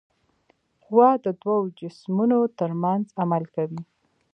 قوه د دوو جسمونو ترمنځ عمل کوي.